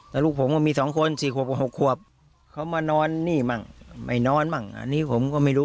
แต่ลูกผมก็มี๒คน๔ขวบกับ๖ขวบเขามานอนนี่มั่งไม่นอนมั่งอันนี้ผมก็ไม่รู้